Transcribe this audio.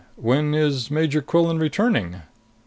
When is Major Quillan returning?"